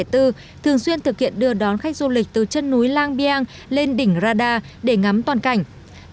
thường xuyên thực hiện đưa đón khách du lịch từ chân núi làng bi ang lên đỉnh rada để ngắm toàn cảnh